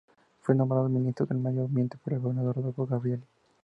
Fue nombrado ministro de Medio Ambiente por el gobernador Rodolfo Gabrielli.